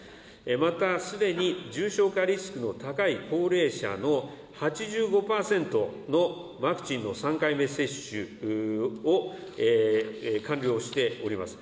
またすでに重症化リスクの高い高齢者の８５％のワクチンの３回目接種を完了しております。